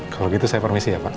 kalau gitu saya permisi ya pak